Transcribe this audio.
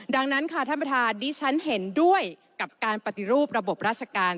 ดังนั้นค่ะท่านประธานดิฉันเห็นด้วยกับการปฏิรูประบบราชการ